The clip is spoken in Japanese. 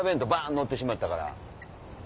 乗ってしまったから。